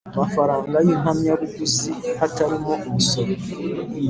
mafaranga y impamyabuguzi hatarimo umusoro